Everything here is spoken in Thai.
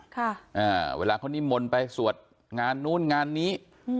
ค่ะอ่าเวลาเขานิมนต์ไปสวดงานนู้นงานนี้อืม